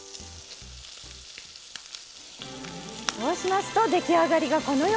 そうしますと出来上がりがこのようになります。